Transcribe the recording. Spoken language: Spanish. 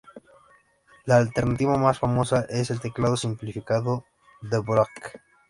La alternativa más famosa es el Teclado Simplificado Dvorak.